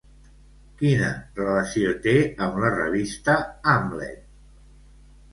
Quina relació té amb la revista Hamlet?